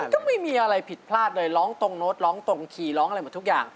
ก็ไม่มีอะไรผิดพลาดเลยร้องตรงโน้ตร้องตรงขี่ร้องอะไรหมดทุกอย่าง